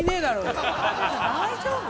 大丈夫？